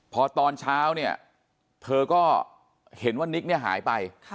พอตอนเช้าเนี่ยเธอก็เห็นว่านิกเนี่ยหายไป